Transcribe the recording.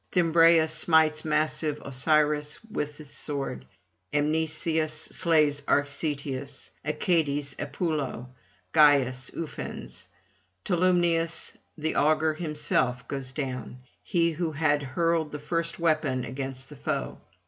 Thymbraeus smites massive Osiris with the sword, Mnestheus slays Arcetius, Achates Epulo, Gyas Ufens: Tolumnius the augur himself goes down, he who had hurled the first weapon against the foe.